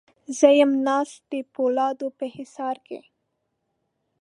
زه یم ناسته د پولادو په حصار کې